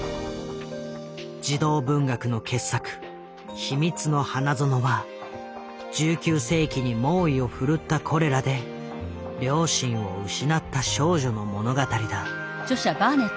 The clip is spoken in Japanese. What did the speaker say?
児童文学の傑作「秘密の花園」は１９世紀に猛威を振るったコレラで両親を失った少女の物語だ。